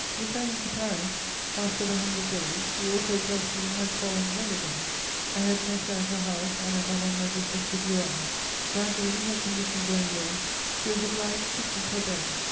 Returning to Paris after the Hundred Days, the author of Delphine had fallen ill again; I had met her at her house and at Madame la Duchesse de Duras'. Gradually, her condition growing worse, she was obliged to keep her bed.